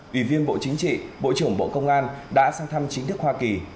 ủy viên bộ chính trị bộ trưởng bộ công an đã sang thăm chính thức hoa kỳ